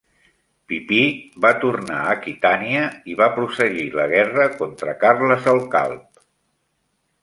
Pipí va tornar a Aquitània i va prosseguir la guerra contra Carles el Calb.